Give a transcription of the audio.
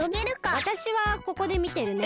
わたしはここでみてるね。